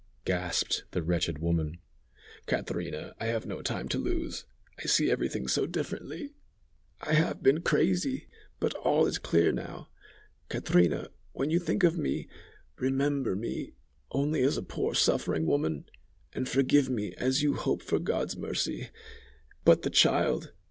gasped the wretched woman. "Catrina, I have no time to lose. I see every thing so differently. "I have been crazy, but all is clear now. Catrina, when you think of me remember me only as a poor suffering woman, and forgive me, as you hope for God's mercy. "But the child!